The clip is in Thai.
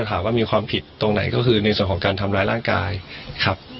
ถามว่ามีความผิดตรงไหนก็คือในส่วนของการทำร้ายร่างกายครับ